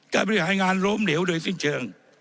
กระพริกหายงานรวมเหลวเลยซึ่งเชิง